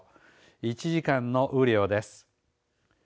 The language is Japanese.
１時間の雨量です。